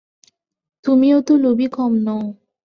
তুমিও তো লোভী কম নও।